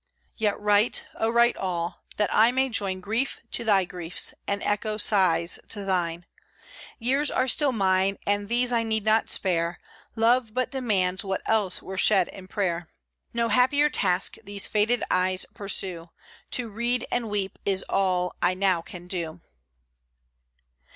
Yet write, oh, write all, that I may join Grief to thy griefs, and echo sighs to thine! Years still are mine, and these I need not spare, Love but demands what else were shed in prayer; No happier task these faded eyes pursue, To read and weep is all I now can do.